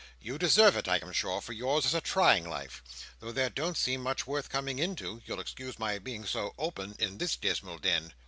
You deserve it, I am sure, for yours is a trying life. Though there don't seem much worth coming into—you'll excuse my being so open—in this dismal den."